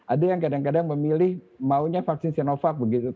ada yang kadang kadang memilih maunya vaksin sinovac begitu